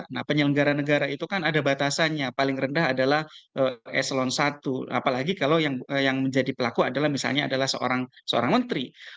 nah penyelenggara negara itu kan ada batasannya paling rendah adalah eselon i apalagi kalau yang menjadi pelaku adalah misalnya adalah seorang menteri